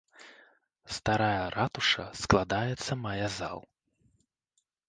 Старая ратуша складаецца мае зал.